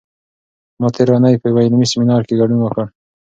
ما تېره اونۍ په یوه علمي سیمینار کې ګډون وکړ.